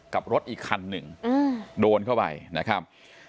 กับรถอีกคันหนึ่งโดนเข้าไปนะครับ